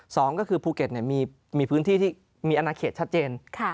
สองก็คือภูเก็ตมีพื้นที่ที่มีอนาเขตชัดเจน